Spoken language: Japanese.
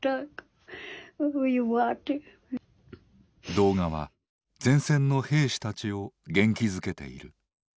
動画は前線の兵士たちを元気づけている。